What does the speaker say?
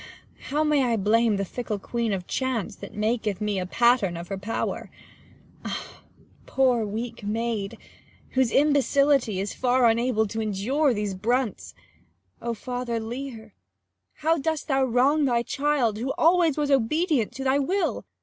How may I blame the fickle queen of chance; 20 That maketh me a pattern of her power ? Ah, poor weak maid, whose imbecility Is far unable to endure these brunts. Oh, father Leir, how dost thou wrong thy child, Who always was obedient to thy will